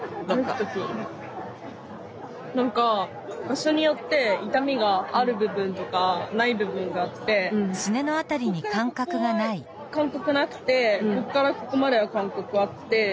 何か場所によって痛みがある部分とかない部分があってここからここは感覚なくてここからここまでは感覚あって。